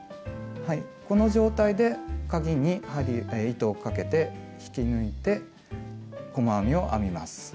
この状態でかぎに糸をかけて引き抜いて細編みを編みます。